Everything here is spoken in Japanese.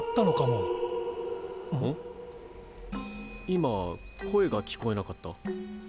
今声が聞こえなかった？